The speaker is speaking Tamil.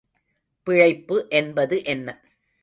பிழைப்பு என்பது என்ன?